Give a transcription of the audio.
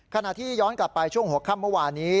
ขณะที่ย้อนกลับไปช่วงหัวค่ำเมื่อวานนี้